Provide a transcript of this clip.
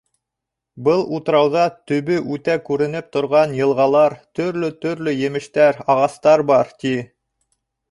Был утрауҙа төбө үтә күренеп торған йылғалар, төрлө-төрлө емештәр, ағастар бар, ти.